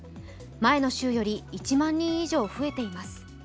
前の週より１万人以上増えています